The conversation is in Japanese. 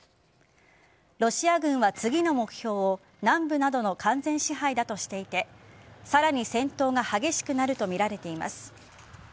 ロシア軍は次の目標を南部などの完全支配だとしていてさらに戦闘が激しくなるとみられています。